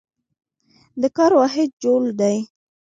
د کار واحد جول دی.